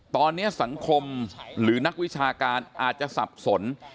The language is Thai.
ตอนนี้สังคมหรือนักวิชาการอาจจะสับสน